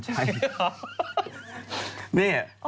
ไม่ใช่ผมดุมกันใช่